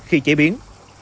khi chế biến